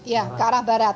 ya ke arah barat